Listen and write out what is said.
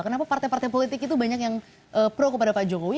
kenapa partai partai politik itu banyak yang pro kepada pak jokowi